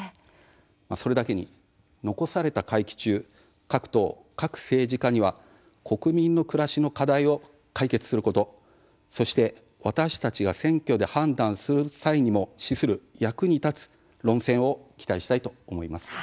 それだけに残された会期中各党、各政治家には国民の暮らしの課題を解決することそして、私たちが選挙で判断する際にも資する役に立つ論戦を期待したいと思います。